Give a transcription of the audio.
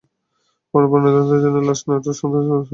পরে ময়নাতদন্তের জন্য তার লাশ নাটোর সদর হাসপাতাল মর্গে পাঠানো হয়।